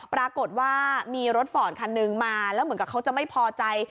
ปรากฏว่ามีรถฟอร์ดคันหนึ่งมาแล้วเหมือนกับเขาจะไม่พอใจ